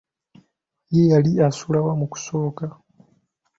Ye yali asula wa mu kusooka?